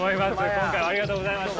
今回はありがとうございました。